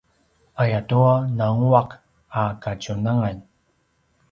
ayatua nanguaq a kadjunangan